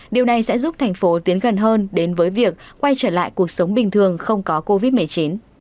điều này sẽ giúp thành phố tiến gần hơn đến với việc quay trở lại cuộc sống bình thường không có covid một mươi chín